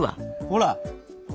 ほら。